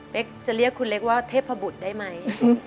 จะเรียกคุณเล็กว่าเทพบุตรได้ไหม